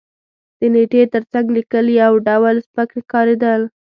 د نېټې تر څنګ لېکل یو ډول سپک ښکارېدل.